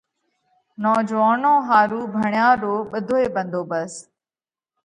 نوجوئونون ۿارُو ڀڻيا رو ٻڌوئي ڀنڌوڀست: